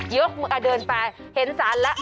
โอ๊ยอ่ะเดินไปเห็นสารแล้ว